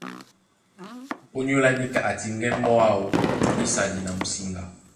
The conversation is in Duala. Ónyólá níka a tiŋgɛ́ mbɔ́ áō nísadi na musiŋga.